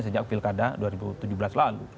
sejak pilkada dua ribu tujuh belas lalu